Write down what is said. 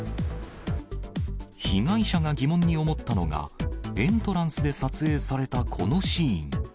被害者が疑問に思ったのが、エントランスで撮影されたこのシーン。